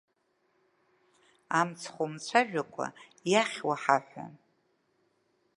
Амцхә умцәажәакәа иахьуа ҳаҳәа!